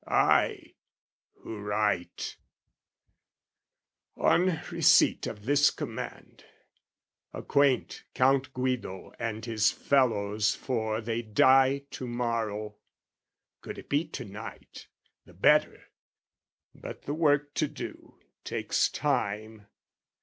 I, who write "On receipt of this command, "Acquaint Count Guido and his fellows four "They die to morrow: could it be to night, "The better, but the work to do, takes time.